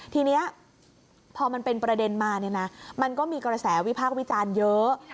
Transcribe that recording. ทีนี้พอมันเป็นประเด็นมาเนี่ยนะมันก็มีกระแสวิพากษ์วิจารณ์เยอะ